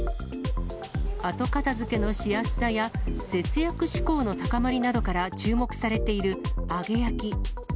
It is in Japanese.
後片づけのしやすさや節約志向の高まりなどから注目されている揚げ焼き。